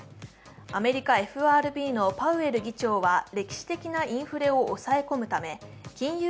アメリカＦＲＢのパウエル議長は歴史的なインフレを抑え込むため金融